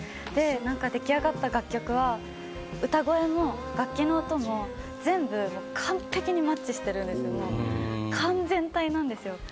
出来上がった楽曲というのは歌声も楽器の音も全部完璧にマッチしてるんですけれども、完全体なんですよ。